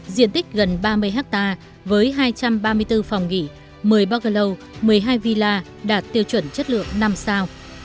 diện tích gần ba mươi hectare với hai trăm ba mươi bốn phòng nghỉ một mươi bocloud một mươi hai villa đạt tiêu chuẩn chất lượng năm sao